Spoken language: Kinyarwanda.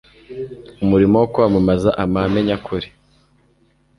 umurimo wo kwamamaza amahame nyakuri.